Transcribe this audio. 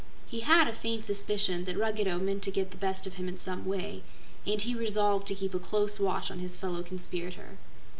He had a faint suspicion that Ruggedo meant to get the best of him in some way, and he resolved to keep a close watch on his fellow conspirator.